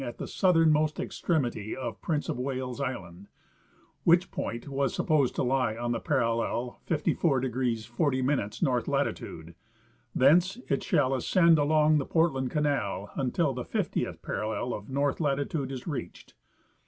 at the southernmost extremity of Prince of Wales island, which point was supposed to lie on the parallel 54° 40' north latitude ; thence, " It shall ascend along the Portland canal until the 50th parallel of north latitude is reached."